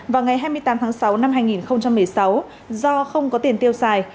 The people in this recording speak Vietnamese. vào ngày hai mươi tám tháng sáu năm hai nghìn một mươi sáu do không có tiền tiêu xài